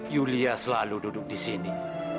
yulia selalu duduk di sini